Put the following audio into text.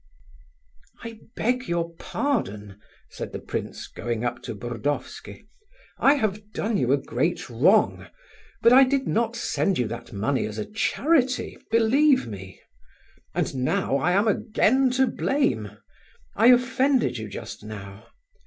"I beg your pardon," said the prince, going up to Burdovsky. "I have done you a great wrong, but I did not send you that money as a charity, believe me. And now I am again to blame. I offended you just now."